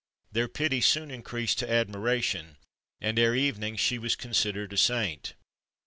Their pity soon increased to admiration, and, ere evening, she was considered a saint.